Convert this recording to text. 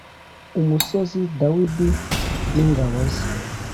umusozi Dawidi n ingabo ze